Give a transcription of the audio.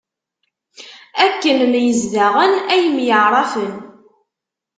Akken myezdaɣen, ay myaɛṛafen.